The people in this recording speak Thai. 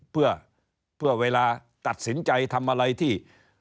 เพื่อเวลาตัดสินใจทำอะไรที่